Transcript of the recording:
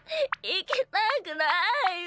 いきたくないよ。